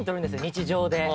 日常で。